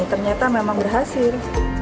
ternyata memang berhasil